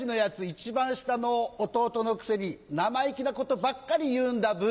一番下の弟のくせに生意気なことばっかり言うんだブ。